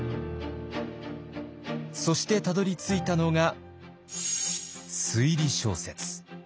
そしてたどりついたのが推理小説。